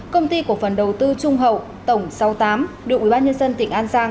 công ty cổ phần đầu tư trung hậu tổng sáu mươi tám đội ubnd tỉnh an giang